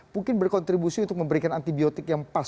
mungkin berkontribusi untuk memberikan antibiotik yang pas